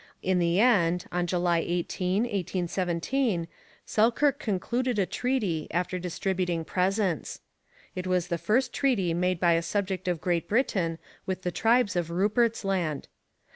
In the end, on July 18, 1817, Selkirk concluded a treaty, after distributing presents. It was the first treaty made by a subject of Great Britain with the tribes of Rupert's Land.